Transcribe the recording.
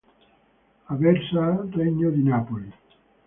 Aversa, Regno di Napoli.